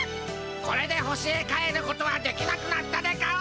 これで星へ帰ることはできなくなったでガオ！